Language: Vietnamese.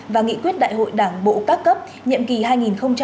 và nghị quyết đại hội đảng bộ các cấp nhiệm kỳ hai nghìn hai mươi hai nghìn hai mươi năm